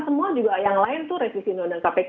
semua juga yang lain itu resisi non kpk